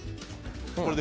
これで。